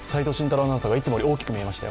アナウンサーがいつもより大きく見えましたよ。